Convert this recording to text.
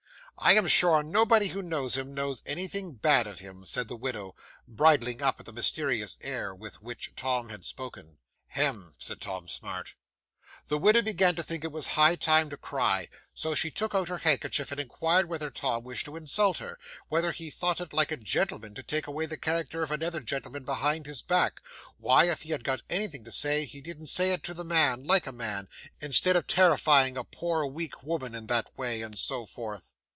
'"I am sure nobody who knows him, knows anything bad of him," said the widow, bridling up at the mysterious air with which Tom had spoken. '"Hem!" said Tom Smart. 'The widow began to think it was high time to cry, so she took out her handkerchief, and inquired whether Tom wished to insult her, whether he thought it like a gentleman to take away the character of another gentleman behind his back, why, if he had got anything to say, he didn't say it to the man, like a man, instead of terrifying a poor weak woman in that way; and so forth.